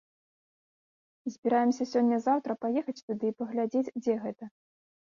Збіраемся сёння-заўтра паехаць туды і паглядзець, дзе гэта.